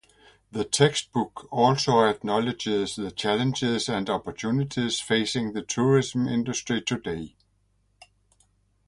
The textbook also acknowledges the challenges and opportunities facing the tourism industry today.